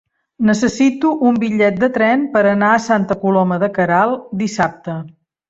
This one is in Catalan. Necessito un bitllet de tren per anar a Santa Coloma de Queralt dissabte.